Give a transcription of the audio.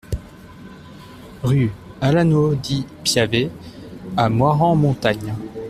Rue Alano Di Piave à Moirans-en-Montagne